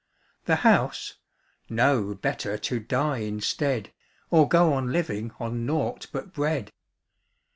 ' The House ?' 'No, better To die instead, Or go on living On naught but bread.'